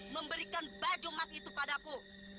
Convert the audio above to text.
memberikan baju umat itu padaku